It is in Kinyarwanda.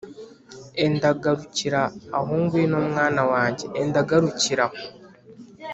enda garukira aho ngwino mwana wanjye, enda garukira aho.’